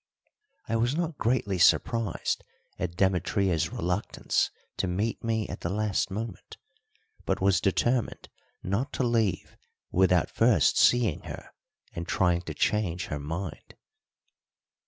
I was not greatly surprised at Demetria's reluctance to meet me at the last moment, but was determined not to leave without first seeing her and trying to change her mind.